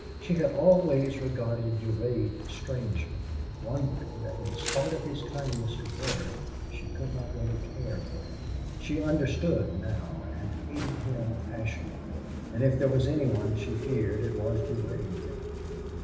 She had always regarded Durade strangely, wondering that in spite of his kindness to her she could not really care for him. She understood now and hated him passionately. And if there was any one she feared it was Durade.